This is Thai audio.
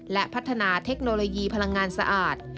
และพัฒนาเทคโนโลยีพลังงานสะอาด